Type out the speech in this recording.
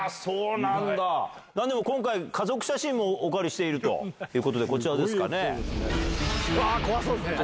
なんでも今回、家族写真をお借りしているということで、こちらでわー、怖そうですね。